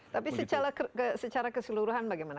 tapi secara keseluruhan bagaimana